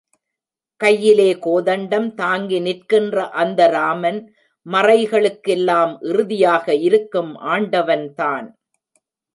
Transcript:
கையிலே கோதண்டம் தாங்கி நிற்கின்ற அந்த ராமன் மறைகளுக்கு எல்லாம் இறுதியாக இருக்கும் ஆண்டவன்தான்.